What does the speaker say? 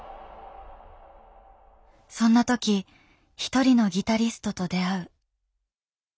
そんなときひとりのギタリストと出会う。